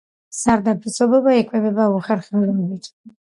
სარდაფის ობობა იკვებება უხერხემლოებით.